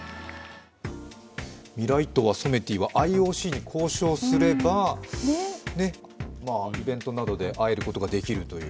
ミライトワ、ソメイティはＩＯＣに交渉すればイベントなどで会えることができるという。